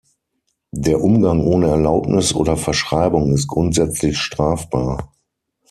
Der Umgang ohne Erlaubnis oder Verschreibung ist grundsätzlich strafbar.